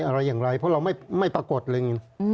อะไรอย่างไรเพราะเราไม่ปรากฏเร็ง